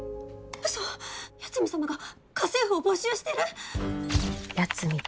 ウソ八海サマが家政婦を募集してる！？